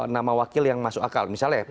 nama wakil yang masuk akal misalnya